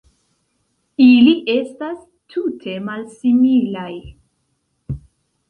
Ili estas tute malsimilaj.